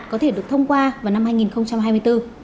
có thể được thông qua vào năm hai nghìn hai mươi bốn